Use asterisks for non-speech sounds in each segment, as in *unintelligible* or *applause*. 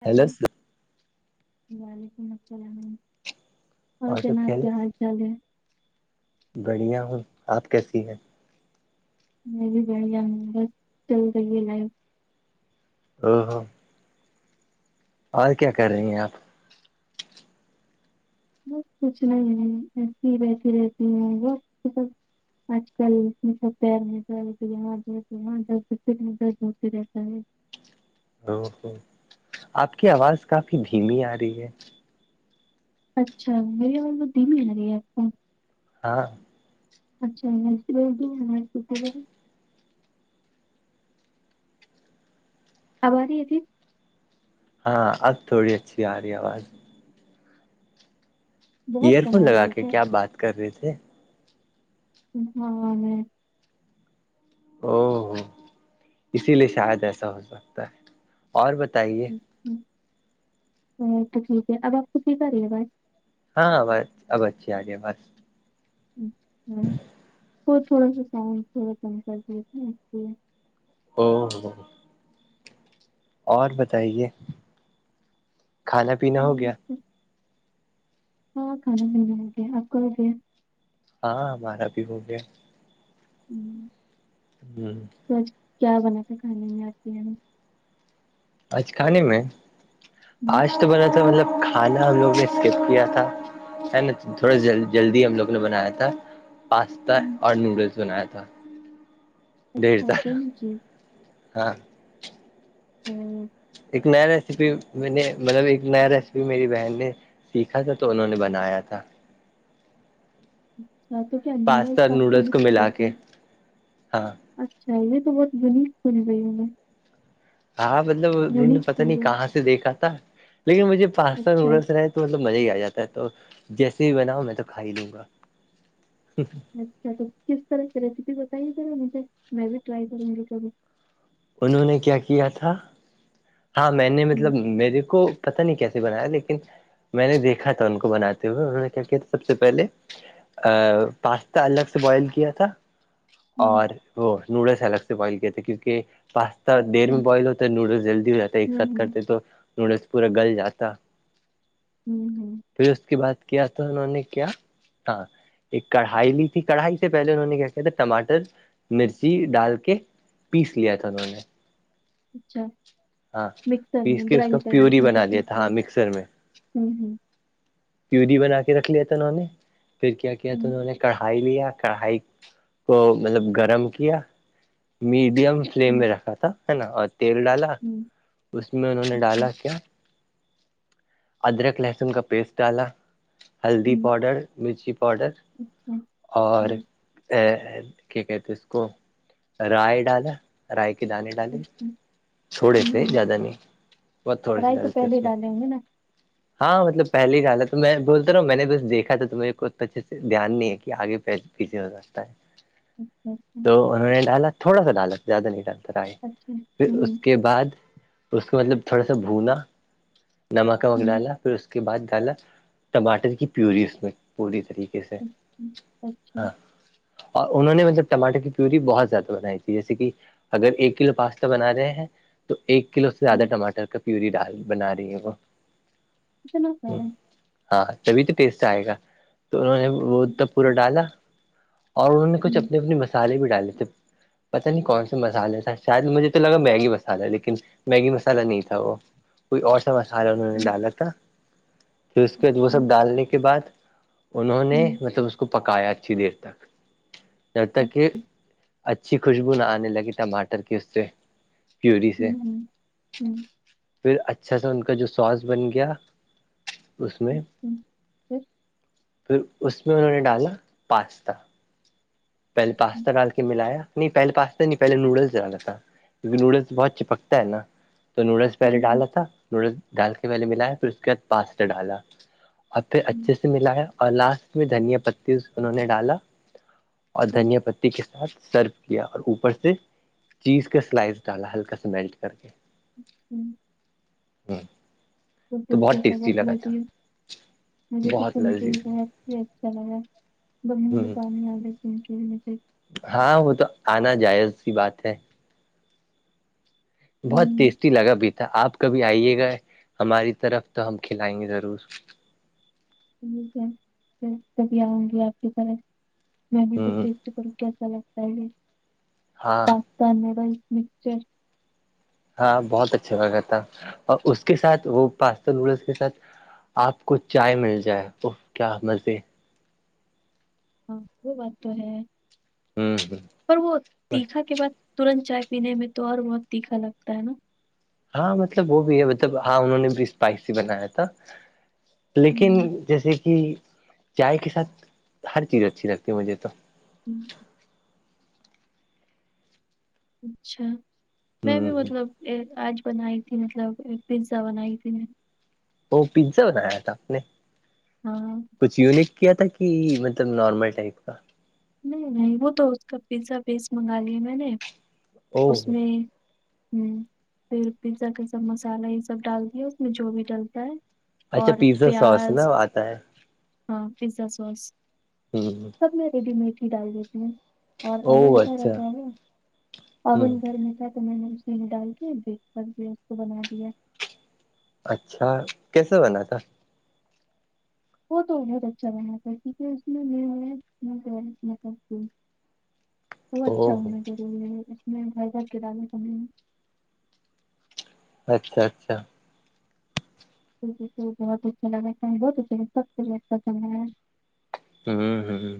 hello وعلیکم السلام اور سب جناب کیا کہہ حال چال ہے بڑھیا ہوں آپ کیسی ہیں میں بھی بڑھیا ہوں بس چل رہی ہے لائف ا ہاں *unintelligible* اور کیا کر رہی ہیں آپ بس کچھ نہیں ہے ایسی ہی بیٹھی رہتی ہو آج کل اس سب میں پیر نہیں *inaudible* درد ہوتا رہتا ہے او ہو آپ کی آواز کافی دھیمی آ رہی ہے اچھا میرے اواز دھیمی لگ رہی ہے آپ کو ہاں اچھا ای کت آب آ رہی ہے تھی ہاں اب تھوڑی اچھی آ رہی ہے آواز بہت ایئر کم فون آ لگا رہی ہے کے کیا بات کر رہے تھے ہاں او ہو اسی لیے شاید ایسا ہو سکتا ہے اور بتائیے ہ وہ تو ٹھیک ہے اب آپ کو ھ کرا رہی ہے بات ہاں بس ابچچھی آگے بس ہ تو تھوڑا سا ساؤنڈ تھڑا کم کر ا *unintelligible* اور بتائیے کھانا پینا ہو ہم، گیا ہاں کھانا پینا ہو گے آک ہو گ ہاں ہمارا بھی ہو گیا ہوں *inaudible* ہ *inaudible* تو آج کیا بنات تھا کھانے میں آپ کے ی آج کھانے میں ہم، آج تو بول تھا مطلب کھانا ہم لوگ نے اسکپ کیا تھا ہے نا تھوڑا جلدی ہم لوگ نے بنایا تھا پاستا ہم، اور نوڈلس بنایا تھا دیر اچھا تارا تو یہ چیز ہاں ہوں *inaudible* ایک نیا ریسیپی میں نے مطلب ایک نیا ریسیپی میری بہن نے سیکھا تھا تو انہوں نے بنایا تھا اچھا تو کیا نہیں گا اس پاستا اور پاس سے نوڈلس کو نکھ ملا کر کے *unintelligible* ہاں اچھا یہ تو بہت یونک بن رہیوں میں ہاں مطلب انہوں نے یونیک پتا نہیں چیز ہے کہاں سے دیکھا تھا لیکن مجھے پاستا اچھا نوڈلس رہ تو مطلب مزہ ہی آ جاتا ہے تو جیسے بھی بناؤ میں تو کھا لوں گا اچھا تو کس طرح کی ریسیپی بتائیے ذا مجھے میں بھی ٹرائی کروں گی کبھی انہوں نے کیا کیا تھا ہاں میں نے ہوں مطلب میرے کو پتا نہیں کیسے بنایا لیکن میں نے دیکھا تھا ان کو بناتے ہوئے انہوں نے کیا کیا تھا سب سے پہلے پاستا الگ سے بوائل کیا تھا ہوں اور وہ نوڈلس الگ سے بوائل کیاتے ہیں کیونکہ پاستا دیر اچھا میں بوائل ہوتا ہے نوڈلس جلدی رہتا ہے ایک ہوں ساتھ ہوں کرتے تو نڈس پورا گل جاتا ہوں ہوں *inaudible* پھر اس کی بات کیا تو انہوں نے کیا ہاں ایک کڑھائی لی تھی کڑھائی سے پہلے انہوں نے کیا کیا تھا ٹماٹر مرچی ڈال کے پیس لیا تھا انہوں نے اچھا *inaudible* ہاں مکسر پیس میں کے اس کا گرائنڈر پیوری مطلب بنا لیا پیس تھا لیے ہ ہ پی بنا کے رکھ لیا تھا انہوں نے پھر کیا کیا اچھا تھا انہوں نے کڑھائی لیا کڑھائی کو مطلب گرم کیا میڈیم فلیم میں رکھا تھا ہے نا اور تیل ڈالا اس میں انہوں نے اچھا ڈالا کیا ادرک لہسن کا پیسٹ ڈالا ہلدی پاؤڈر مرچی پاؤڈر اور کیا کہتے ہیں اس کو رائے ڈالا رائے کے دانے ڈالے تھوڑے سے زیادہ نہیں بہت تھوڑے سے کڑھائی تو ڈگتے پہلے اس میں ڈالیں گے نا ہاں مطلب پہلی گال ہے تو میں بولتا رہا ہوں میں نے بس دیکا تھا تو میرے کو ا تو اچھے سے دھیان نہیں ہے کہ آگے پیھے ہو ج *unintelligible* اچھا اچھا تو انہوں نے ڈالا تھوڑا سا ڈالا زیادہ نہیں ڈالتا آ ہے اچھا پھر اس کے بعد اس کو مطلب تھوڑا سا بھنا نمک ومک ڈالا پھر اس کے بعد ڈالا ٹماٹر کی پیوری اس میں پوری طریق ھ سے اچھا اچھا ہاں اور انہوں نے مطلب ٹاٹر کی پیوری بہت زیادہ بنائی تھی جیسے کہ اگر ایک کلو پاس بنا رہے ہیں تو ایک کلو سے زیادہ ٹماٹر کا پیور ڈال بنا رہی ہے وہ اتنا س ہے ہاں تبھی تو ٹیسٹ آئے گا تو انہوں نے وہ تب پورا اچھا ڈالا اور انہوں نے کچھ اپنے اپنے مسالے بھی ڈالے تھے پتہ نہیں کون سے مسالے تھا شاید مجھے تو لگا میگی مسالہ لیکن میگی مسالہ نہیں تھا وہ کوئی اور سا مسالہ انہوں نے ڈالا تھا پھر اس کے بعد وہ سب ڈالنے کے بعد انہوں نے مطلب اس کو پکایا اچھی دیر تک جب تک کہ اچھی خوشبو نہ آنے لگی ٹماٹر کی اس سے پوری سے پھر اچھا سا ان کا جو سوس بن گیا اس میں پھر اس میں انہوں نے ڈالا پاستا پہلے پاستا ڈال کے ملایا نہیں پہل پاستا نہیں پہے نوڈلس ڈالا تھا کیونکہ نوڈلس بہت چپکتا ہے نا تو نوڈلس پہلے ڈالا تھا نوڈل ڈال کے پہلے ملایا پھر اس کے بعد پاستا ڈالا اور پھر اچھے سے ملایا اور لاسٹ میں دھنییا پتی انہوں نے ڈالا اور دھنییا پتی کے ساتھ سرو کیا اور اوپر سے چیز کا س سلائس ڈالا ہلکا س میلٹ کر کے چ ہوں ہاں *unintelligible* یہ اچھا بہت لذیذ لگا ب ہ میں پانی آے تنچ مجھے ہاں وہ تو آنا جائز س کی بات ہے بہت ٹیسٹی لگا بھی تھا آپ کبھی آئیے گا ہماری طرف تو ہم کھلائیں گے ضرور ٹیک ہے میں کبھی آؤں گی آپ کے پاس میں ہ بھی تو ٹیسٹ کروں کیا تا ہاں پاستا نوڈلس مسچر ہاں بہت اچھا ہوا تھا اور اس کے ساتھ وہ پاس نوڈلس کے سات آپ کو چائے مل جائے وہ کیا مزے ہاں وہ بات تو ہے ہوں ہ اور وہ بس تیکھا کے بعد ترنت چائے پینے میں تو اور بہت تیکھا لگتا ہے نا ہاں مطلب وہ بھی ہے مطلب ہاں انہوں نے بھی اسپائسی بنایا تھا لیکن ہوں جیسے کہ چائے کے ساتھ ہر چیز اچھی لگتی ہے مجھے تو ہوں اچھا میں ہوں بھی ہ مطلب آج بنائی تھی مطلب ایک پیزا بنائی تھی میں ا پیزا بنایا تھا آپ نے ہاں کچھ یونک کیا تھا کہ مطلب نارمل ٹائپ کا نہیں نہیں وہ تو اس کا پیزا بیس منگا لیا میں نے او اس میں ہ پھر پیزا کا سب مسالہ یہ سب ڈال دیا اس میں جو بھی ڈلتا ہے اچھا اور پیزا سوس پیاز نا آتا ہے ہاں پزا سوس ہوں بھی میٹھی ڈال دیتی ہیں اور او اون س اچھا ایسا ہے ہ اون گھر میں س تو میں نے اسی میں ڈال کے بریک فاسٹ بھی اس کو بنا دیا اچھا کیسے بنا تھا وہ تو بہت اچھا رہات تھا کیکہ اس وہ اچھا او ہونے روری ہے اس میںزر کرانے س اچھا اچھا جی تو بہت اچھا لگا بہت اچھا لگا سب سے اا سم ہے ہ ہ ہ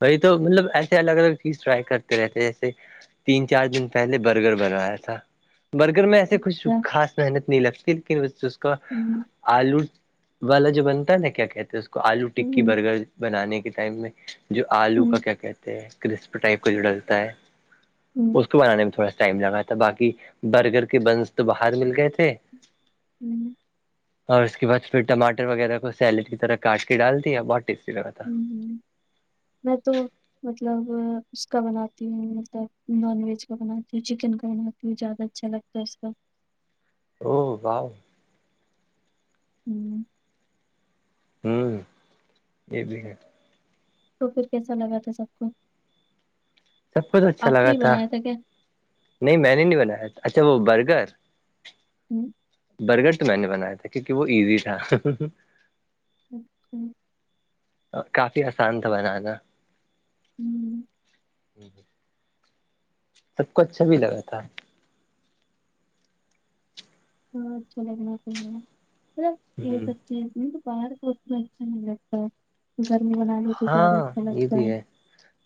وہی تو مطلب ایسے الگ الگ چیز ٹرائی کرتے رہتے جیسے تین چار دن پہلے برگر بنوایا تھا برگر میں ایسے کچھ اچھا خاص محنت نہیں لگتی لیکن ب اس کو ہوں آلو والا جو بنتا ہے نا کیا کہتے ہیں اس کو آلو ٹکی ہوں برگر بنانے کے ٹائم میں جو آلو ہوں کا کیا کہتے ہیں کرسپ ٹائپ کا جو ڈلتا ہے ہوں اس کو بنانے میں تھوڑا سا ٹائم لگا تھا باقی برگر کے بنس تو باہر مل گئے تھے ہوں ہ اور اس کے بعد پھر ٹماٹر وغیرہ کو سیلڈ کی طرح کاٹ کے ڈالتی ہے اور بہت ٹیسٹی لگا ہے ہ ہ میں تو مطلب اس کا بناتی ہوں مطلب نان ویج کا بناتی ہوں چکن کا بناتی ہوں زیادہ اچھا لگتا جسا او بؤ ہوں ہوں یہ بھی ہے تو پھر کیسا لگا تھا سب کو سب کچھ اچھا آپ لگا نے بنایا تھا کیا نہیں میں نے نہیں بنایا اچھا وہ برگر ہوں برگر میں نے بنایا تھا کیونکہ وہ ایزی تھا اچھا کافی آسان تھا بنانا ہوں ہ ہ سب کو اچھا بھی لگا تھا ہ اچھا لگنا چاہے یہ ہ سب چیز بارس اس میں اچھا نہیں لگتا ہے گرمی بنانے تو زیادہ ہاں اچھا یہ لگتا ہے بھی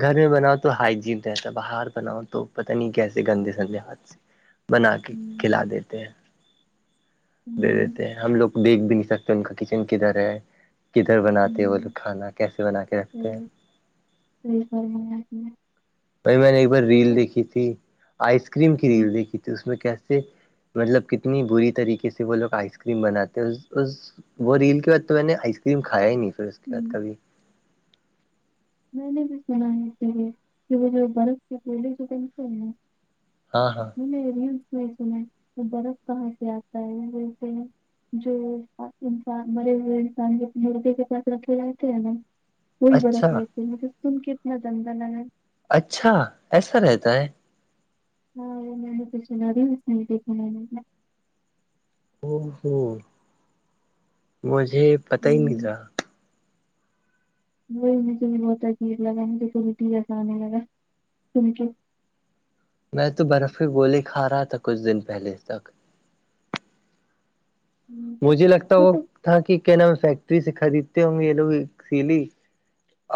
گھر میں بناؤ تو ہائیجین رہتا باہر بناؤ تو پتہ نہیں کیسے گندے سندے ہاتھ سے بنا کے کھلا ہوں دیتے ہیں دے ہوں دیتے ہیں ہم لوگ دیکھ بھی نہیں سکتے ان کا کچن کدھر ہے کدھر بناتے ہیں وہ لوگ ہوں کھانا کیسے بنا کے رکھتے ہیں صی کر وہ میں نے ایک بار ریل دیکھی تھی آئس کریم کی ہوں ریل دیکھی تھی اس میں کیسے مطلب کتنی بری طریقے سے وہ لوگ آئس کریم بناتے ہیں اس وہ ریل کے بعد تو میں نے آئس کریم کھایا ہی نہیں پھر اس کے بعد ہوں کبھی میں نے بھی سناائی ت یہ کہ وہ جو برف کے پولے جو بنتے نا ہاں ہاں میں نے ریلس میں سنا وہ برف کہاں سے آتا ہے ویسے جو انسان برے ہوئے انسان مرگے کے ساتھ رکھے جاتے ہیں نا وہی برف اچھا رہس مج تم کے اتنا دندہ لگا اچھا ایسا رہتا ہے ہاں خشد ا ہو مجھے پتا ہی مل ہوں، رہا وہی مجھے بھی بہت عجیب لگا مجھے تو بھی دیاز آنے لگا تو م میں تو برف کی گولی کھا رہا تھا کچھ دن پہلے تک ہوں، مجھے لگتا وہ مطلب تھا کہ کیا ن میں فیکٹری سے خریدتے ہوں یہ لوگ سی لی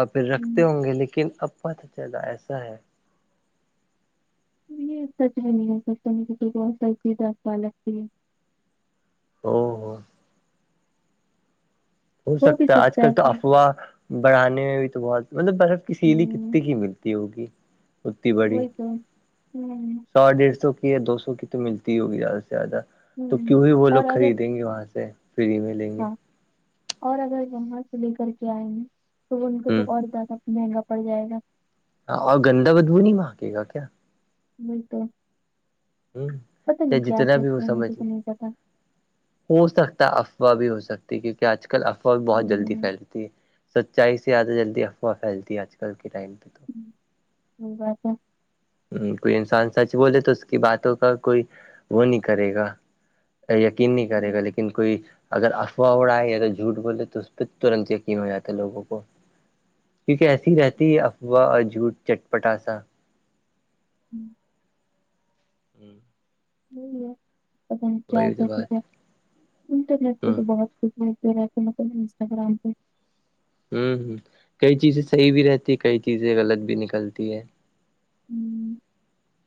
آپھر رکھتے ہوں گے لیکن اب پتہ چلا ایسا ہے یہ سچ ہی نہیں ہو سکتا مے بہت سف دس لگتی ہے ہو ہاں ہو سکتا ہے آج کل تو افواہ بڑھانے میں بھی تو بہت مطلب برف کسی ہوں کی ملتی ہوگی اتی بڑی وہی تو ہوں سو ڈیڑھ سو کی یا دو سو کی تو ملتی ہی ہوگی زیادہ سے زیادہ تو ہوں کیوں ہی وہ لوگ اور اگر خریدیں گے وہاں سے فری میں لیں گے ہاں اور اگر جاں سے لے کر کے آئیں گے تو ان کو تو ہ اور زیادہ مہنگا پڑ جائے گا ہاں اور گندا بدبو نہیں مانگے گا کیا وہی تو ہ پتا نہیں کیا جتنا بھی وہ سکتے ہیں سمجھ مجھے لے تو نہیں پ تھا ہو سکتا افواہ بھی ہو سکتی ہے کیونکہ آج کل افواہ بھی بہت جلدی پھیلتی سچائی سے زیادہ جلدی افواہ پھیلتی ہے آج کل کے ٹائم پہ تو ہ وہ بات ہے ہ کوئی انسان سچ بولے تو کی باتوں کا کوئی وہ نہیں کرے گا یقین نہیں کرے گا لیکن کوئی اگر افواہ اڑا ہے یا توگر جھوٹ بولے تو اس پہ ترنت یقین ہو جاتا ہے لوگوں کو کیونکہ ایسی ہی رہتی ہے افواہ اور جھوٹ چٹپٹاسا ہوں *unintelligible* یہ ہے پ نہیں وہی کیاتا تو بات کیا انٹرنیٹ پہ ہ تو بہت انسٹا گگرام پہ ہوں ہ کئی چیزیں صحیح بھی رہتی ہے کئی چیزیں غلط بھی نکلتی ہے ہوں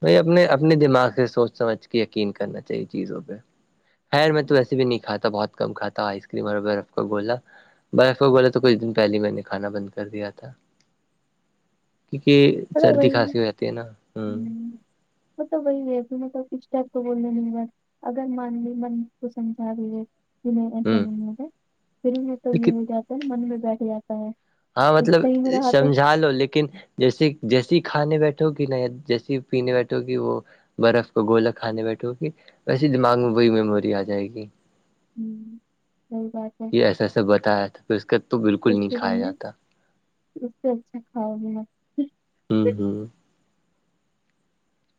ب اپنے اپنے دماغ سے سوچ سمجھ کے یقین کرنا چاہیے چیزوں پہ خیر میں تو و ایسے بھی نہیں کھا بہت کھا تھا آئس کریم اور برف کا گولا برق کو بولاے تو کچھ دن پہلے میں نے کھانا بند کر دیا تھا کیونکہ مطلب سردی وہی خھاسی ہو جاتی ہے نا ہ وہ توب وہی ہے مطلب کس ٹائپ کو بولنے نہیں بار اگر مان بھی من کو سمجھا رہیے ج نہیں ایسا ہ نہیں ہوتا فلم میں تو یہ لیکن ہو جاتا ہے من میں بیٹھ جاتا ہے ہاں پھر مطلب صحیح میں رہا تو سمجھا لو لیکن جیسی جیسی کھانے بیٹھو گی نہ یا جیسی پینے بیٹھو گی وہ برف کو گولا کھانے بیٹھ ہو گی ویسے دماغ میں وہی میموری آ جائے گی *unintelligible* یہ ایسا ایسا بتایا تھا پھر اس کا تو بالکل اس نہیں سے کھایا بنے جاتا اس سے اچھا کاؤ گ *unintelligible* ہوں ہوں *unintelligible*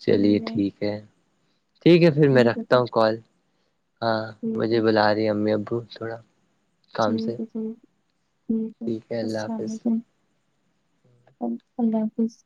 چلیے ٹھیک ہے ٹھیک ہے پھر میں ٹھیک ہے رکھتا ہوں کال *unintelligible* ہاں ٹھیک مجھے ہے بلا رہی امی ابو تھوڑا *unintelligible* کام سے ٹھیک ہے ٹھیک ٹھیک ہے السلام علیکم اللہ حافظ *unintelligible*